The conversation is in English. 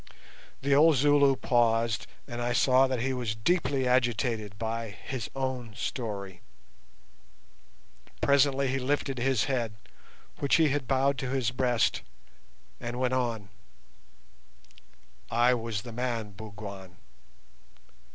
The old Zulu paused, and I saw that he was deeply agitated by his own story. Presently he lifted his head, which he had bowed to his breast, and went on: "I was the man, Bougwan.